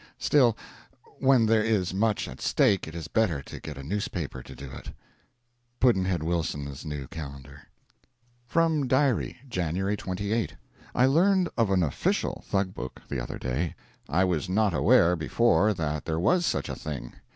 Still, when there is much at stake it is better to get a newspaper to do it. Pudd'nhead Wilson's New Calendar. FROM DIARY: January 28. I learned of an official Thug book the other day. I was not aware before that there was such a thing.